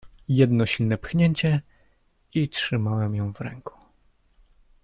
"Jedno silne pchnięcie, i trzymałem ją w ręku."